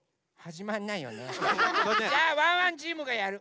じゃあワンワンチームがやる。